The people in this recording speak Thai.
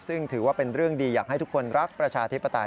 ซึ่งถือว่าเป็นเรื่องดีอยากให้ทุกคนรักประชาธิปไตย